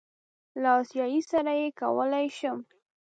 له آسیایي سره یې کولی شم.